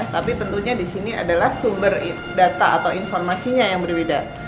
tapi tentunya di sini adalah sumber data atau informasinya yang berbeda